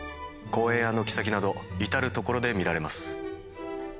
公園や軒先など至る所で見られます。